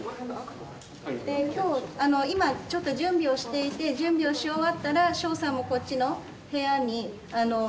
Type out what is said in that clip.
で今日今ちょっと準備をしていて準備をし終わったらショウさんもこっちの部屋にあの来ると思います。